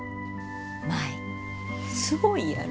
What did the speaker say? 舞すごいやろ？